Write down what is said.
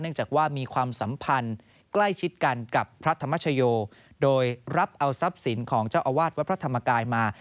จากว่ามีความสัมพันธ์ใกล้ชิดกันกับพระธรรมชโยโดยรับเอาทรัพย์สินของเจ้าอาวาสวัดพระธรรมกายมา